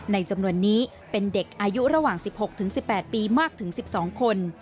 จำนวนนี้เป็นเด็กอายุระหว่าง๑๖๑๘ปีมากถึง๑๒คน